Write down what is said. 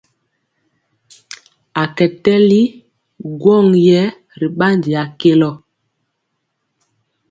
A kɛ tɛli ŋgwɔŋ yɛ ri ɓandi a kelɔ.